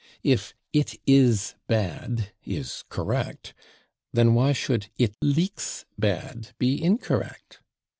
If "it /is/ bad" is correct, then why should "it /leaks/ bad" be incorrect?